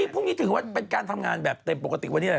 พรุ่งนี้ถือว่าเป็นการทำงานแบบเต็มปกติวันนี้อะไร